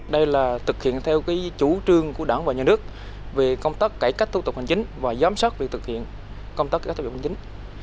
đây là thực hiện theo cái chú trương của đảng và nhân đức về công tác cải cách thủ tục hành chính và giám sát việc thực hiện công tác cải cách thủ tục hành chính